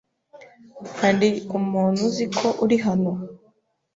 Hari umuntu uzi ko uri hano?